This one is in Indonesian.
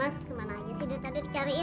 mas kemana aja sih dia tadi dicariin